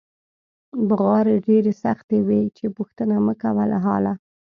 بغارې ډېرې سختې وې چې پوښتنه مکوه له حاله.